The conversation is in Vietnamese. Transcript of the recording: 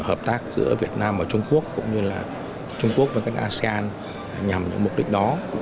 hợp tác giữa việt nam và trung quốc cũng như là trung quốc với các asean nhằm những mục đích đó